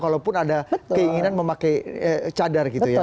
kalaupun ada keinginan memakai cadar gitu ya